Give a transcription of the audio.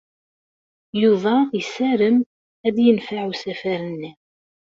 Yuba yessarem ad yenfeɛ usafar-nni.